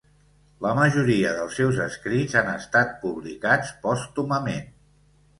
La majoria dels seus escrits han estat publicats pòstumament.